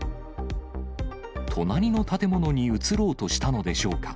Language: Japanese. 隣の建物に移ろうとしたのでしょうか。